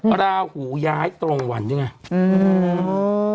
ปราหูย้าไตลงหวันใช่ไหมอือ